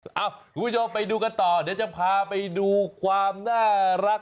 คุณผู้ชมไปดูกันต่อเดี๋ยวจะพาไปดูความน่ารัก